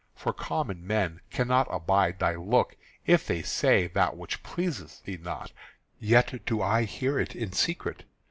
For common men cannot abide thy look if they say that which pleaseth thee not. Yet do I hear it in secret.